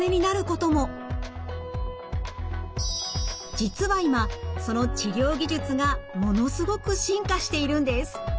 実は今その治療技術がものすごく進化しているんです。